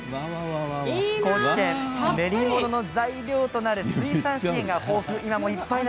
高知県、練り物の材料となる水産資源が豊富。